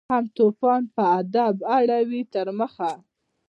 هم توپان په ادب اړوي تر مخه